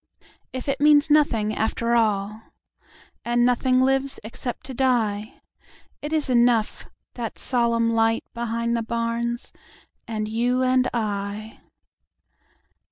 If it means nothing after all! And nothing lives except to die—It is enough—that solemn lightBehind the barns, and you and I.